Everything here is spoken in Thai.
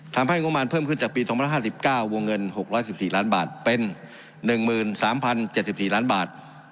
งบมารเพิ่มขึ้นจากปี๒๕๙วงเงิน๖๑๔ล้านบาทเป็น๑๓๐๗๔ล้านบาท